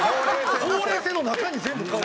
ほうれい線の中に全部顔が。